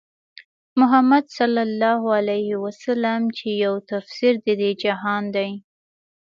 محمدص چې يو تفسير د دې جهان دی